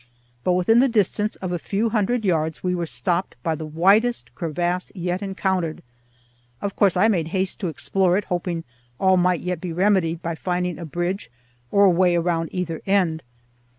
But within the distance of a few hundred yards we were stopped by the widest crevasse yet encountered. Of course I made haste to explore it, hoping all might yet be remedied by finding a bridge or a way around either end.